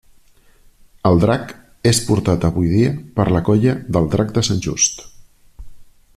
El drac és portat avui dia per la Colla del Drac de Sant Just.